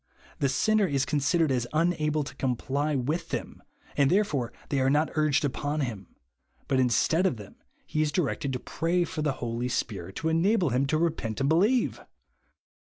The sinner is considered as unible to comply with them, and therefore they are not urged upon, him ; but instead of them, he is directed to pray for the Holy Spirit to enable him to repent and believe